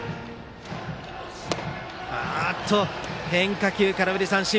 変化球、空振り三振。